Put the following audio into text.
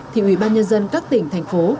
thì ủy ban nhân dân các tỉnh thành phố